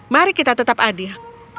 mari kita tetap adil